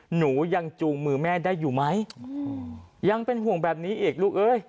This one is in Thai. หนูยังจูงมือแม่ได้อยู่ไหมยังเป็นห่วงแบบนี้อีกลูกเอ้ย